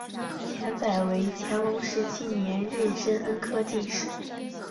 钱载为乾隆十七年壬申恩科进士。